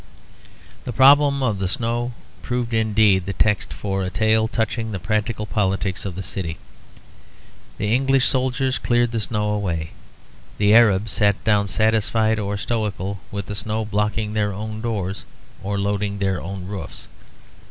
The problem of the snow proved indeed the text for a tale touching the practical politics of the city. The English soldiers cleared the snow away; the Arabs sat down satisfied or stoical with the snow blocking their own doors or loading their own roofs.